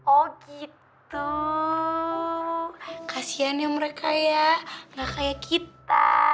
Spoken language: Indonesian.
oh gitu kasihan ya mereka ya gak kayak kita